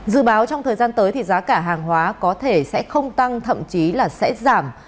dự báo trong thời gian tới thì giá cả hàng hóa có thể sẽ không tăng thậm chí là sẽ giảm